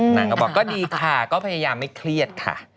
นางก็บอกก็ดีค่ะก็พยายามไม่เครียดค่ะ